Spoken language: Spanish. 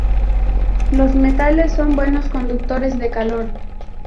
Los metales son buenos conductores de calor.